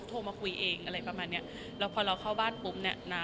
โทรมาคุยเองอะไรประมาณเนี้ยแล้วพอเราเข้าบ้านปุ๊บเนี้ยน้า